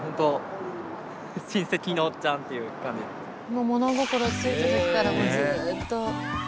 もう物心ついたときからずっと。